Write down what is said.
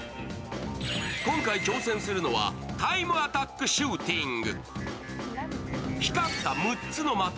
今回挑戦するのはタイムアタックシューティング。